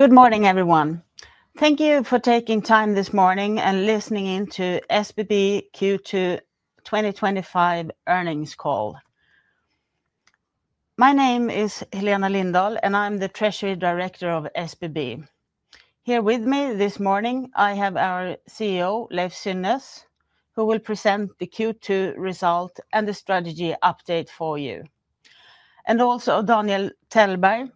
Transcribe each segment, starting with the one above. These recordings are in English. Good morning, everyone. Thank you for taking time this morning and listening in to SBB Q2 2025 Earnings Call. My name is Helena Lindahl, and I'm the Treasury Director of SBB. Here with me this morning, I have our CEO, Leiv Synnes, who will present the Q2 result and the strategy update for you. Also, Daniel Tellberg,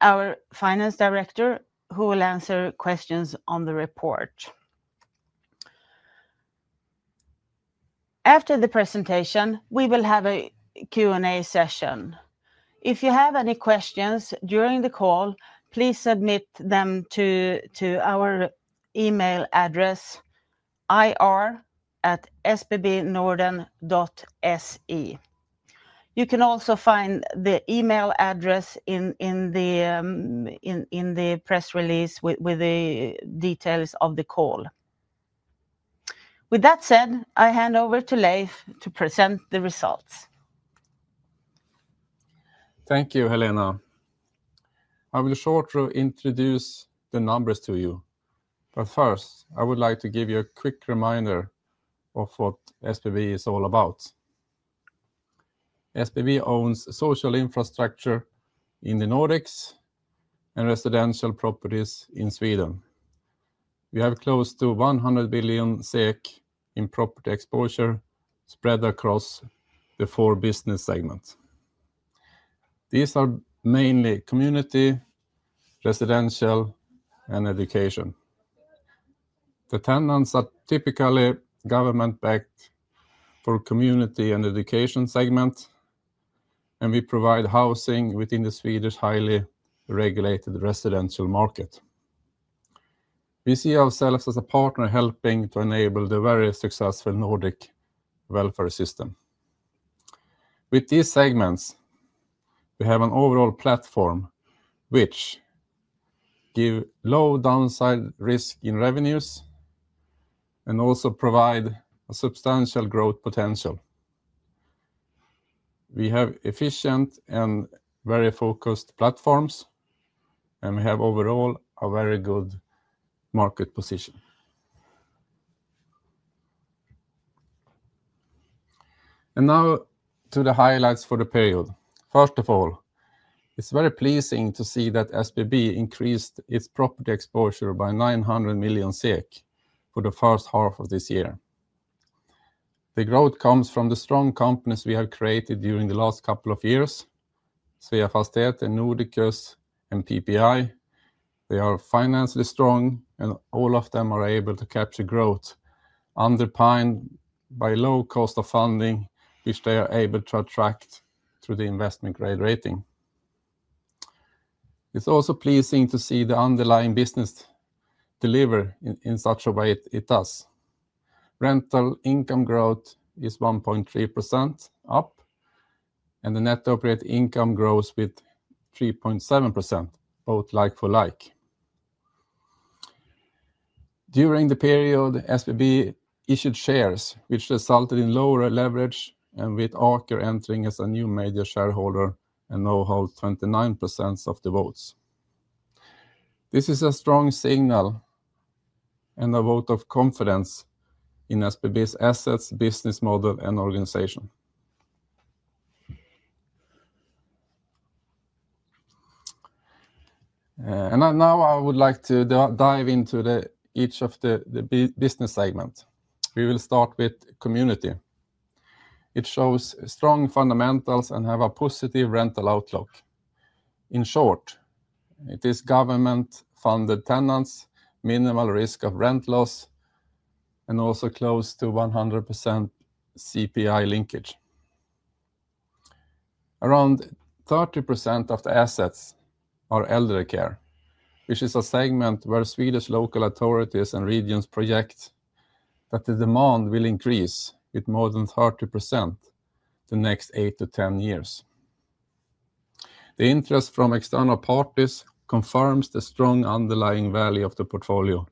our Finance Director, who will answer questions on the report. After the presentation, we will have a Q&A session. If you have any questions during the call, please submit them to our email address, ir@sbbnorden.se. You can also find the email address in the press release with the details of the call. With that said, I hand over to Leiv to present the results. Thank you, Helena. I will shortly introduce the numbers to you. First, I would like to give you a quick reminder of what SBB is all about. SBB owns social infrastructure in the Nordics and residential properties in Sweden. We have close to 100 billion SEK in property exposure spread across the four business segments. These are mainly community, residential, and education. The tenants are typically government-backed for the community and education segments, and we provide housing within the Swedish highly-regulated residential market. We see ourselves as a partner helping to enable the very successful Nordic welfare system. With these segments, we have an overall platform which gives low downside risk in revenues and also provides a substantial growth potential. We have efficient and very focused platforms, and we have overall a very good market position. Now to the highlights for the period. First of all, it's very pleasing to see that SBB increased its property exposure by 900 million SEK for the first half of this year. The growth comes from the strong companies we have created during the last couple of years, Sveafastigheter, Nordiqus, and PPI. They are financially strong, and all of them are able to capture growth underpinned by a low cost of funding, which they are able to attract through the investment-grade rating. It's also pleasing to see the underlying business deliver in such a way it does. Rental income growth is 1.3% up, and the net operating income grows with 3.7%, both like-for-like. During the period, SBB issued shares, which resulted in lower leverage, with Aker entering as a new major shareholder and now holds 29% of the votes. This is a strong signal and a vote of confidence in SBB's assets, business model, and organization. Now I would like to dive into each of the business segments. We will start with community. It shows strong fundamentals and has a positive rental outlook. In short, it is government-funded tenants, minimal risk of rent loss, and also close to 100% CPI linkage. Around 30% of the assets are elderly care, which is a segment where Swedish local authorities and regions project that the demand will increase with more than 30% in the next 8 years-10 years. The interest from external parties confirms the strong underlying value of the portfolio,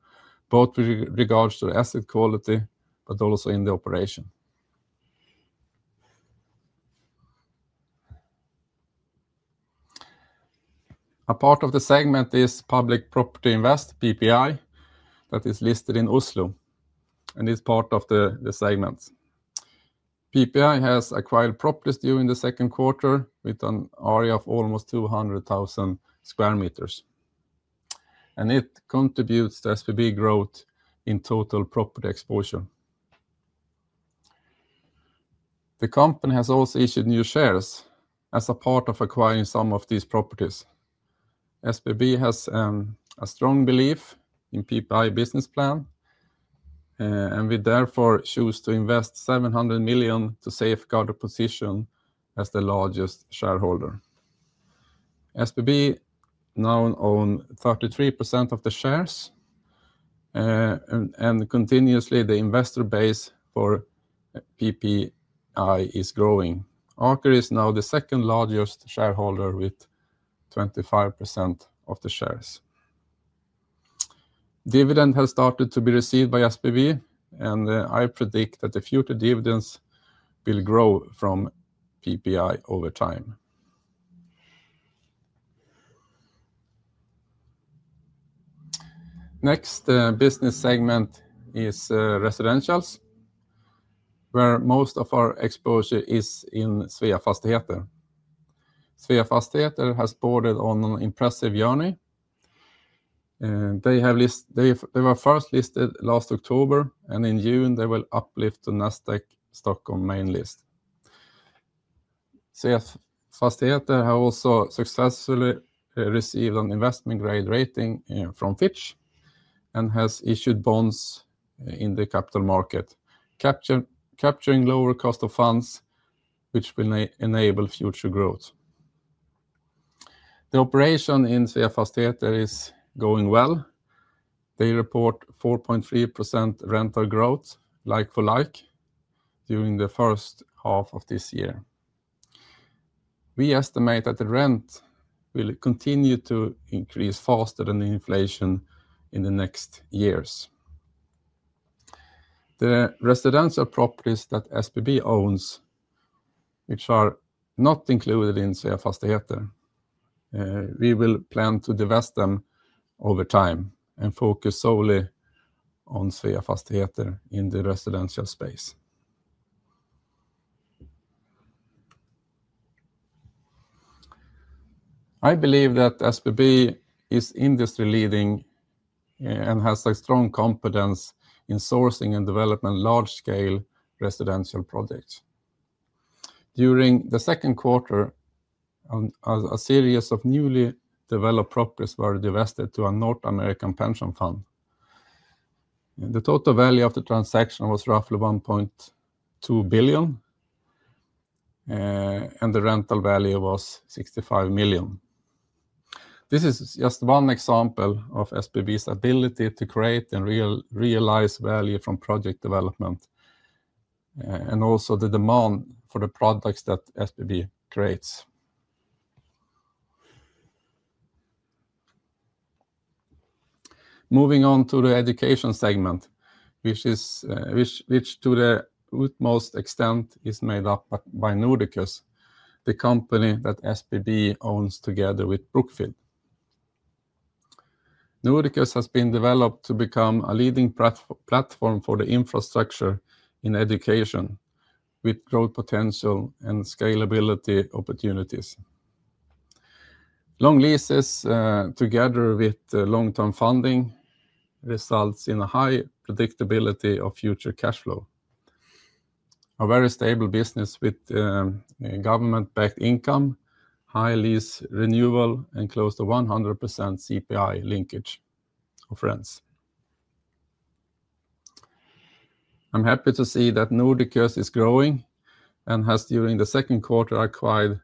both with regards to asset quality, but also in the operation. A part of the segment is Public Property Invest, PPI, that is listed in Oslo and is part of the segment. PPI has acquired properties during the second quarter with an area of almost 200,000 sq m, and it contributes to SBB's growth in total property exposure. The company has also issued new shares as a part of acquiring some of these properties. SBB has a strong belief in PPI's business plan, and we therefore choose to invest 700 million to safeguard the position as the largest shareholder. SBB now owns 33% of the shares, and continuously, the investor base for PPI is growing. Aker is now the second largest shareholder with 25% of the shares. Dividends have started to be received by SBB, and I predict that the future dividends will grow from PPI over time. Next business segment is residentials, where most of our exposure is in Sveafastigheter. Sveafastigheter has boarded on an impressive journey. They were first listed last October, and in June, they will uplift to the Nasdaq Stockholm Main List. Sveafastigheter has also successfully received an investment-grade rating from Fitch and has issued bonds in the capital market, capturing lower cost of funds, which will enable future growth. The operation in Sveafastigheter is going well. They report 4.3% rental growth, like-for-like, during the first half of this year. We estimate that the rent will continue to increase faster than inflation in the next years. The residential properties that SBB owns, which are not included in Sveafastigheter, we will plan to divest them over time and focus solely on Sveafastigheter in the residential space. I believe that SBB is industry-leading and has a strong competence in sourcing and developing large-scale residential projects. During the second quarter, a series of newly developed properties were divested to a North American pension fund. The total value of the transaction was roughly 1.2 billion, and the rental value was 65 million. This is just one example of SBB's ability to create and realize value from project development and also the demand for the products that SBB creates. Moving on to the education segment, which to the utmost extent is made up by Nordiqus, the company that SBB owns together with Brookfield. Nordiqus has been developed to become a leading platform for the infrastructure in education with growth potential and scalability opportunities. Long leases, together with long-term funding, result in a high predictability of future cash flow. A very stable business with government-backed income, high lease renewal, and close to 100% CPI linkage of rents. I'm happy to see that Nordiqus is growing and has, during the second quarter, acquired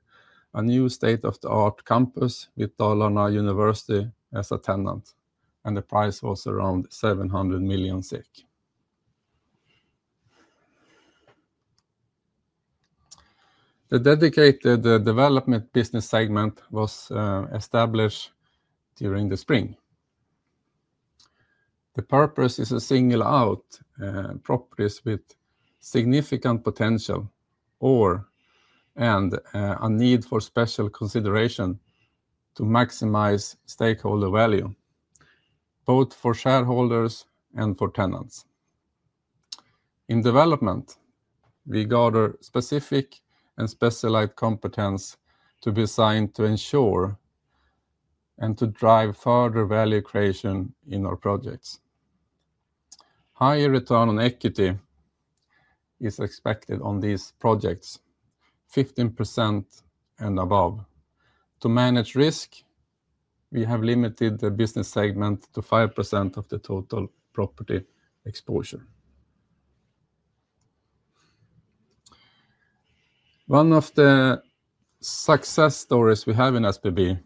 a new state-of-the-art campus with Dalarna University as a tenant, and the price was around 700 million SEK. The dedicated development business segment was established during the spring. The purpose is to single out properties with significant potential or/and a need for special consideration to maximize stakeholder value, both for shareholders and for tenants. In development, we gather specific and specialized competence to be assigned to ensure and to drive further value creation in our projects. Higher return on equity is expected on these projects, 15% and above. To manage risk, we have limited the business segment to 5% of the total property exposure. One of the success stories we have in SBB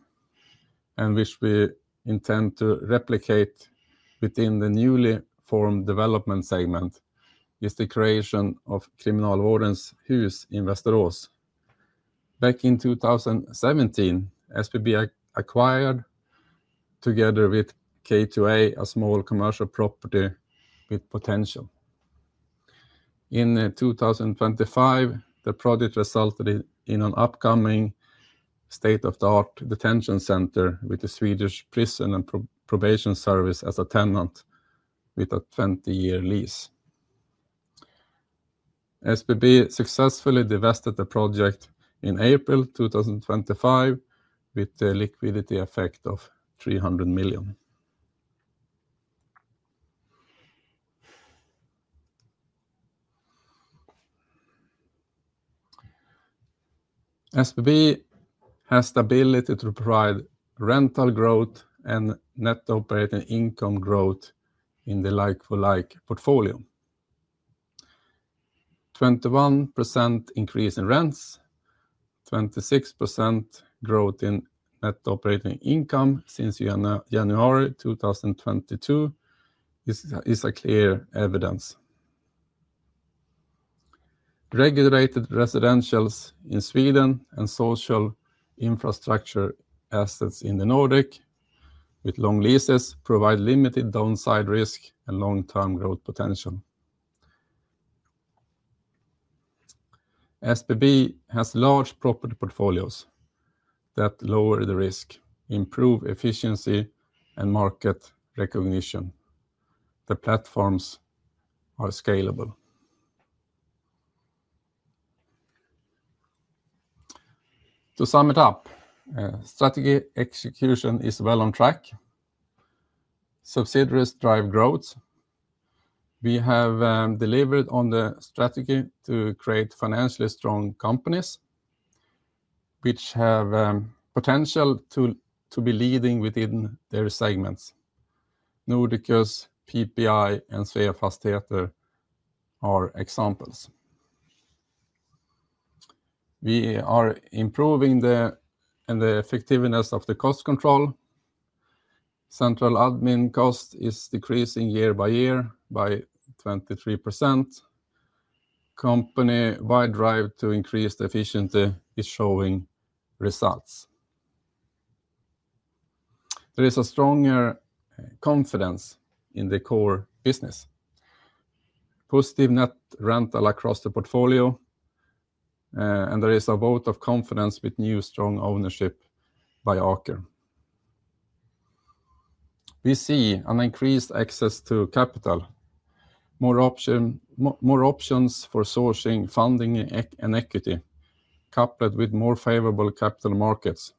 and which we intend to replicate within the newly formed development segment is the creation of Kriminalvårdens Hus Investors. Back in 2017, SBB acquired, together with K2A, a small commercial property with potential. In 2025, the project resulted in an upcoming state-of-the-art detention center with the Swedish Prison and Probation Service as a tenant with a 20-year lease. SBB successfully divested the project in April 2025 with the liquidity effect of 300 million. SBB has the ability to provide rental growth and net operating income growth in the like-for-like portfolio. A 21% increase in rents, 26% growth in net operating income since January 2022 is a clear evidence. Regulated residentials in Sweden and social infrastructure assets in the Nordics, with long leases, provide limited downside risk and long-term growth potential. SBB has large property portfolios that lower the risk, improve efficiency, and market recognition. The platforms are scalable. To sum it up, strategy execution is well on track. Subsidiaries drive growth. We have delivered on the strategy to create financially strong companies, which have potential to be leading within their segments. Nordiqus, PPI, and Sveafastigheter are examples. We are improving the effectiveness of the cost control. Central admin cost is decreasing year by year by 23%. The company's wide drive to increase the efficiency is showing results. There is a stronger confidence in the core business. Positive net rental across the portfolio, and there is a vote of confidence with new strong ownership by Aker. We see an increased access to capital, more options for sourcing, funding, and equity, coupled with more favorable capital markets.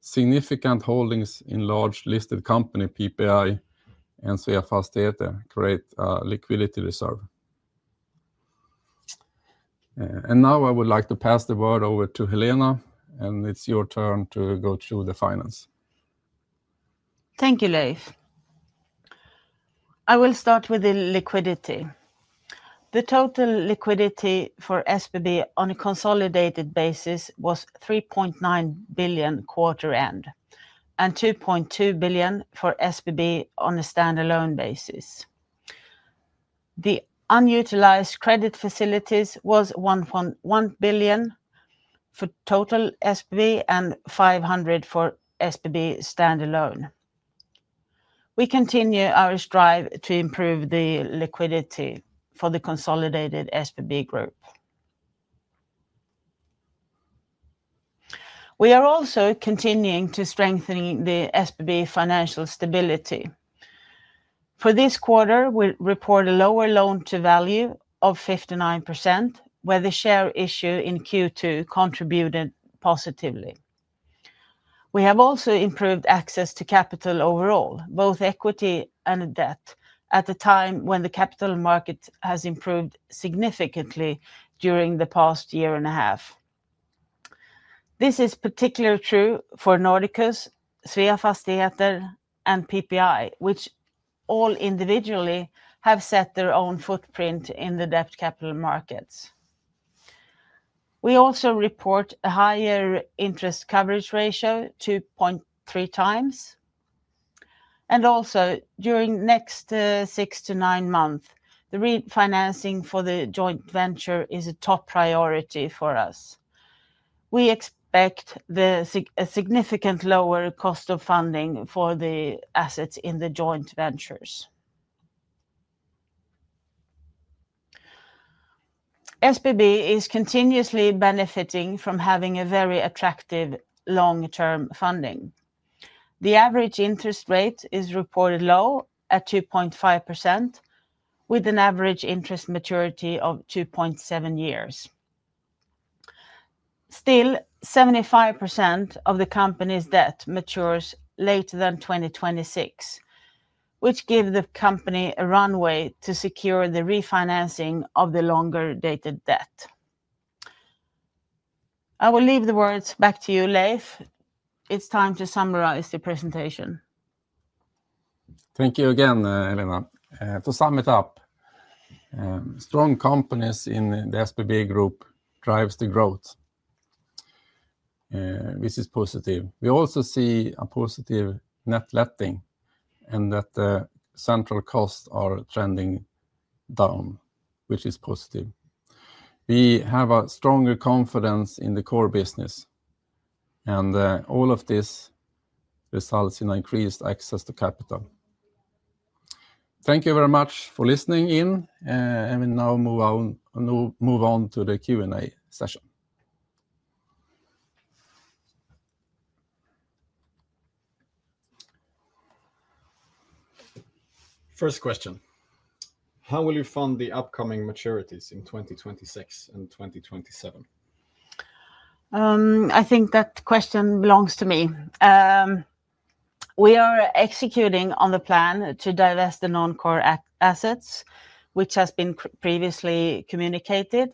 Significant holdings in large listed companies, PPI and Sveafastigheter, create a liquidity reserve. I would like to pass the word over to Helena, and it's your turn to go through the finance. Thank you, Leiv. I will start with the liquidity. The total liquidity for SBB on a consolidated basis was 3.9 billion quarter-end and 2.2 billion for SBB on a standalone basis. The unutilized credit facilities were 1.1 billion for total SBB and 500 million for SBB standalone. We continue our strive to improve the liquidity for the consolidated SBB group. We are also continuing to strengthen the SBB financial stability. For this quarter, we report a lower loan-to-value of 59%, where the share issue in Q2 contributed positively. We have also improved access to capital overall, both equity and debt, at a time when the capital market has improved significantly during the past year and a half. This is particularly true for Nordiqus, Sveafastigheter, and PPI, which all individually have set their own footprint in the debt capital markets. We also report a higher interest coverage ratio, 2.3x. During the next six to nine months, the refinancing for the joint venture is a top priority for us. We expect a significantly lower cost of funding for the assets in the joint ventures. SBB is continuously benefiting from having a very attractive long-term funding. The average interest rate is reported low at 2.5%, with an average interest maturity of 2.7 years. Still, 75% of the company's debt matures later than 2026, which gives the company a runway to secure the refinancing of the longer-dated debt. I will leave the words back to you, Leiv. It's time to summarize the presentation. Thank you again, Helena. To sum it up, strong companies in the SBB group drive the growth. This is positive. We also see a positive net letting, and the central costs are trending down, which is positive. We have a stronger confidence in the core business, and all of this results in increased access to capital. Thank you very much for listening in, and we now move on to the Q&A session. First question. How will you fund the upcoming maturities in 2026 and 2027? I think that question belongs to me. We are executing on the plan to divest the non-core assets, which has been previously communicated.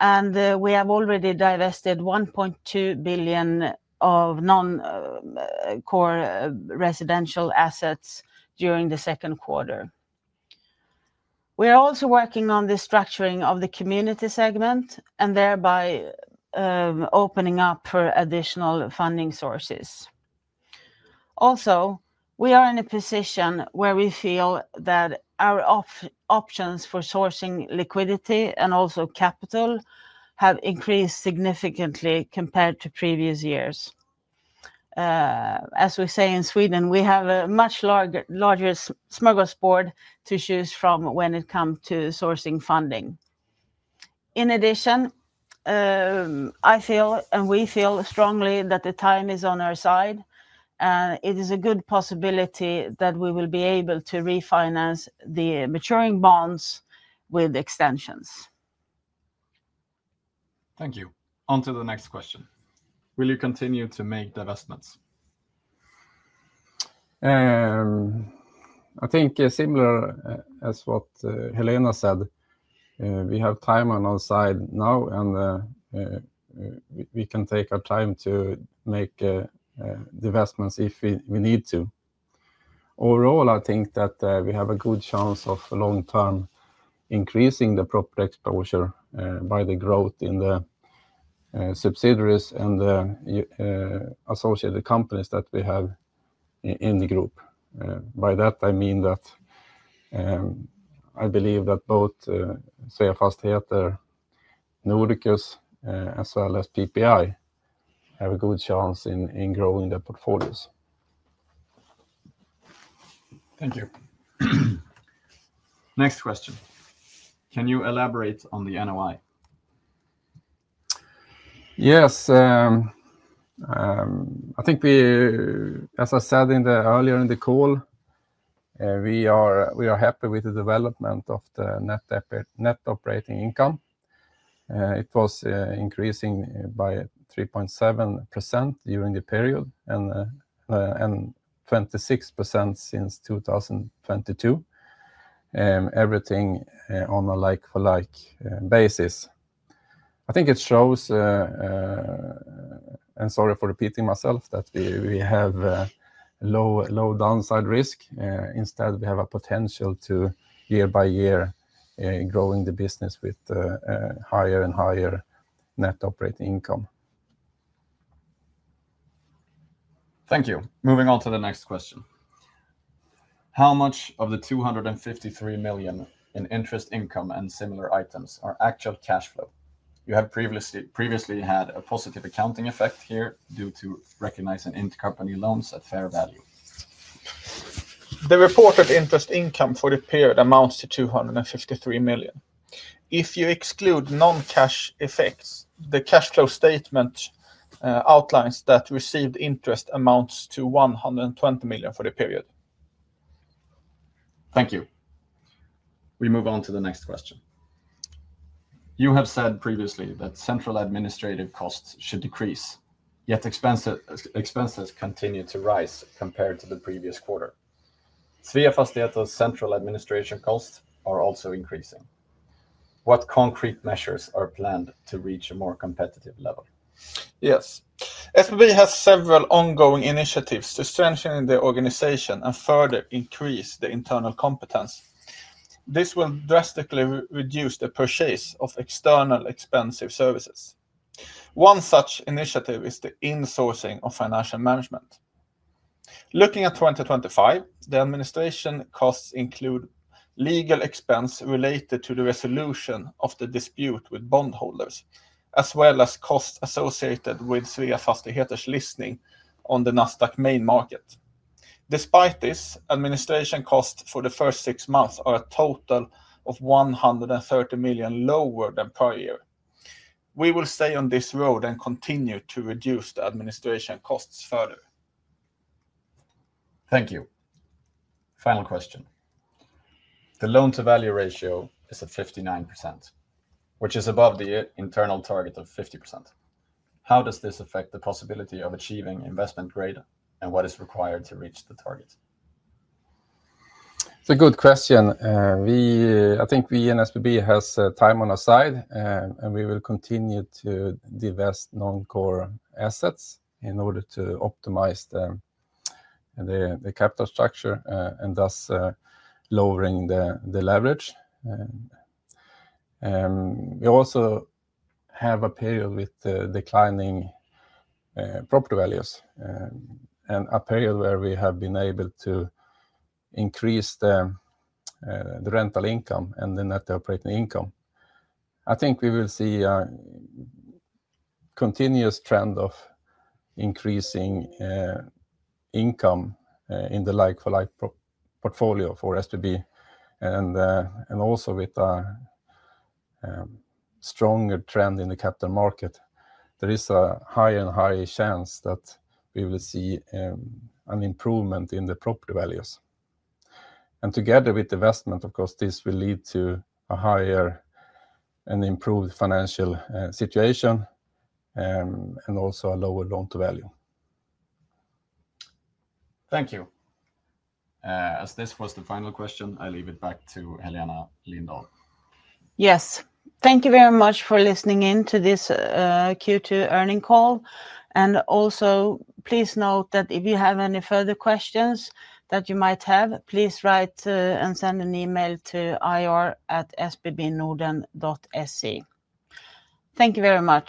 We have already divested 1.2 billion of non-core residential assets during the second quarter. We are also working on the structuring of the community segment, thereby opening up for additional funding sources. We are in a position where we feel that our options for sourcing liquidity and capital have increased significantly compared to previous years. As we say in Sweden, we have a much larger smorgasbord to choose from when it comes to sourcing funding. In addition, I feel, and we feel strongly, that time is on our side, and it is a good possibility that we will be able to refinance the maturing bonds with extensions. Thank you. On to the next question. Will you continue to make divestments? I think similar as what Helena said, we have time on our side now, and we can take our time to make divestments if we need to. Overall, I think that we have a good chance of long-term increasing the property exposure by the growth in the subsidiaries and the associated companies that we have in the group. By that, I mean that I believe that both Sveafastigheter, Nordiqus, as well as PPI have a good chance in growing their portfolios. Thank you. Next question. Can you elaborate on the NOI? Yes. I think we, as I said earlier in the call, are happy with the development of the net operating income. It was increasing by 3.7% during the period and 26% since 2022, everything on a like-for-like basis. I think it shows, and sorry for repeating myself, that we have low downside risk. Instead, we have a potential to year-by-year grow the business with higher and higher net operating income. Thank you. Moving on to the next question. How much of the 253 million in interest income and similar items are active cash flow? You had previously had a positive accounting effect here due to recognizing intercompany loans at fair value. The reported interest income for the period amounts to 253 million. If you exclude non-cash effects, the cash flow statement outlines that received interest amounts to 120 million for the period. Thank you. We move on to the next question. You have said previously that central administrative costs should decrease, yet expenses continue to rise compared to the previous quarter. Sveafastigheter's central administration costs are also increasing. What concrete measures are planned to reach a more competitive level? Yes. SBB has several ongoing initiatives to strengthen the organization and further increase the internal competence. This will drastically reduce the purchase of external expensive services. One such initiative is the insourcing of financial management. Looking at 2025, the administration costs include legal expense related to the resolution of the dispute with bondholders, as well as costs associated with Sveafastigheter's listing on the Nasdaq Main Market. Despite this, administration costs for the first six months are a total of 130 million lower than per year. We will stay on this road and continue to reduce the administration costs further. Thank you. Final question. The loan-to-value ratio is at 59%, which is above the internal target of 50%. How does this affect the possibility of achieving investment grade, and what is required to reach the target? It's a good question. I think we in SBB have time on our side, and we will continue to divest non-core assets in order to optimize the capital structure and thus lowering the leverage. We also have a period with declining property values and a period where we have been able to increase the rental income and the net operating income. I think we will see a continuous trend of increasing income in the like-for-like portfolio for SBB, also with a stronger trend in the capital market. There is a higher and higher chance that we will see an improvement in the property values. Together with the investment, of course, this will lead to a higher and improved financial situation and also a lower loan-to-value. Thank you. As this was the final question, I leave it back to Helena Lindahl. Yes. Thank you very much for listening in to this Q2 earning call. Please note that if you have any further questions that you might have, please write and send an email to ir@sbbnorden.se. Thank you very much.